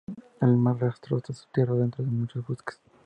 El mar arrastró hasta tierra adentro a muchos buques.